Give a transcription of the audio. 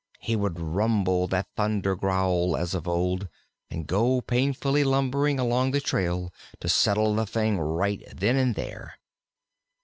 He would rumble that thunder growl as of old, and go painfully lumbering along the trail to settle the thing right then and there.